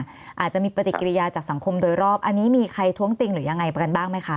อาจจะมีปฏิกิริยาจากสังคมโดยรอบอันนี้มีใครท้วงติงหรือยังไงประกันบ้างไหมคะ